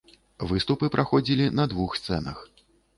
Выступы праходзілі на двух сцэнах.